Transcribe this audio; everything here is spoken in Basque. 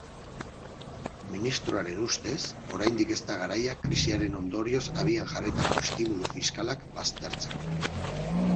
Ministroaren ustez oraindik ez da garaia krisiaren ondorioz abian jarritako estimulu fiskalak baztertzeko.